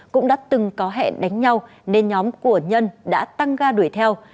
cũng đã từng có hẹn đánh nhau nên nhóm của nhân đã tăng ga đuổi theo